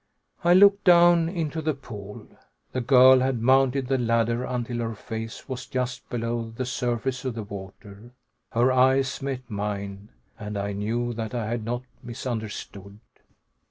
I looked down into the pool. The girl had mounted the ladder until her face was just below the surface of the water. Her eyes met mine and I knew that I had not misunderstood.